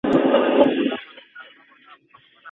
تفاهم د هرې ستونزې د حل کيلي ده.